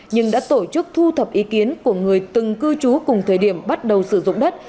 nhưng đã tổ chức thu thập ý kiến của người từng cư trú cùng thời điểm bắt đầu sử dụng đất